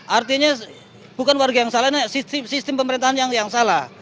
artinya bukan warga yang salah sistem pemerintahan yang salah